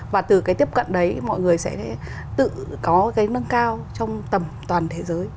và từ cái tiếp cận đấy mọi người sẽ tự có cái nâng cao trong tầm toàn thế giới